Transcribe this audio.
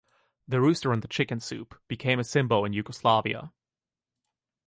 The rooster on the chicken soup became a symbol in Yugoslavia.